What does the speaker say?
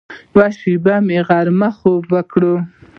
یوه شېبه مو غرمنۍ خوب وکړ.